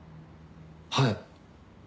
はい。